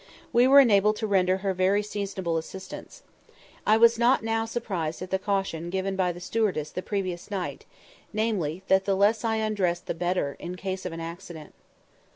We were enabled to render her very seasonable assistance. I was not now surprised at the caution given by the stewardess the previous night, namely, that the less I undressed the better, in case of an accident.